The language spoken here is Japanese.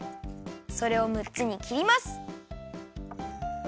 それを６つにきります。